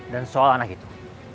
dan soal anak itu